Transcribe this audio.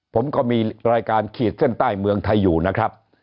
ผมก็มีรายการขีดเส้นใต้เมืองไทยอยู่นะครับ